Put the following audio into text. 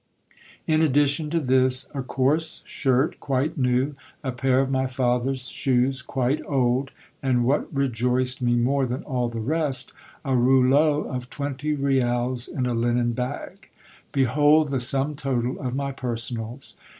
In addition to this, a coarse shirt quite new, a pair of my father's shoes quite old, and what rejoiced me more than all the rest, a rouleau of twenty rials in a linen bag. Behold the sum total of my personals.